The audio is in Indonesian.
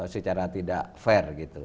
secara tidak fair gitu